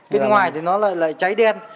bên ngoài thì nó lại cháy đen